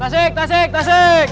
tasik tasik tasik